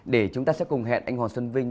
để chúng ta sẽ cùng hẹn anh hoàng xuân vinh